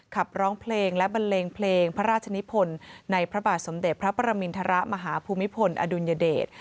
ขับร้องเพลงและบันเลงเพลงพระราชนิพลในพระบาทสมเด็จพระประมินทรมาฮภูมิพลอดุลยเดช